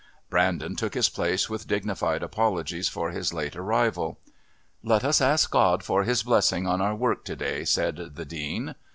Brandon took his place with dignified apologies for his late arrival. "Let us ask God for His blessing on our work to day," said the Dean.